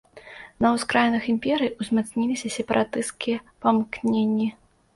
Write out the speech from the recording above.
На ўскраінах імперыі ўзмацніліся сепаратысцкія памкненні.